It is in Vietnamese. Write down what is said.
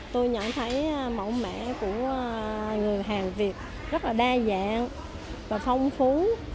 tôi nhận thấy mẫu mẹ của người hàng việt rất là đa dạng và phong phú